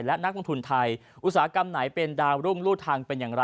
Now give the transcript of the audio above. และนักลงทุนไทยอุตสาหกรรมไหนเป็นดาวรุ่งรูดทางเป็นอย่างไร